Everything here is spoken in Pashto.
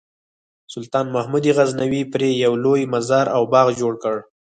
سلطان محمود غزنوي پرې یو لوی مزار او باغ جوړ کړ.